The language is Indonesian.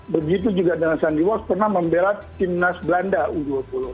begitu juga dengan sandy walsh pernah membela timnas belanda u dua puluh